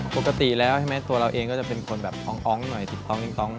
ปกติแล้วใช่ไหมตัวเราเองก็จะเป็นคนแบบท้องหน่อยติดท้องอิงท้อง